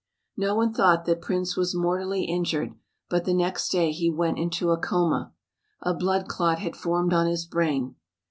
No one thought that Prince was mortally injured but the next day he went into a coma. A blood clot had formed on his brain.